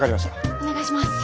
お願いします。